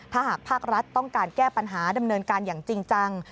ถ้าหากภาครัฐต้องการแก้ปัญหาดำเนินการอย่างจริงจัง